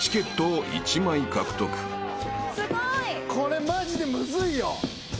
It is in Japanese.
これマジでむずいよ。